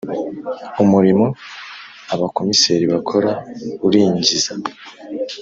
Umurimo aBakomiseri bakora uringiza.